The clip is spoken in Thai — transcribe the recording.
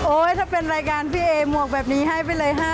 ถ้าเป็นรายการพี่เอหมวกแบบนี้ให้ไปเลย๕๐๐